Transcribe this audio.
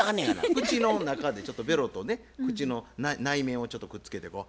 口の中でちょっとべろと口の内面をちょっとくっつけてこう。